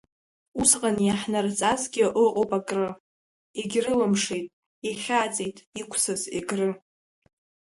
Усҟан иаҳнарҵазгьы ыҟоуп акры, егьрылмшеит, ихьаҵит, иқәсыз Егры.